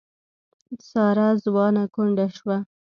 ساره ځوانه کونډه شوه.